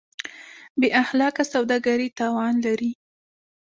بېاخلاقه سوداګري تاوان لري.